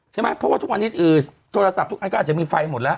ใช่ไหมเพราะว่าทุกวันนี้โทรศัพท์ทุกอันก็อาจจะมีไฟหมดแล้ว